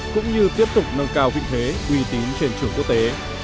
cũng như tiếp tục nâng cao vị thế uy tín trên trường quốc tế